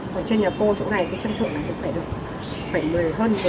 còn trên nhà cô chỗ này cái chân thượng này cũng phải được khoảng hơn một mươi một mươi năm người